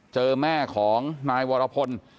เจอแม่ของนายวรพล